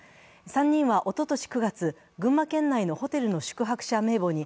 ３人はおととし９月、群馬県内のホテルの宿泊者名簿に